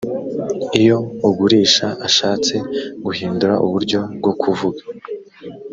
iyo ugurisha ashatse guhindura uburyo bwo kuvuga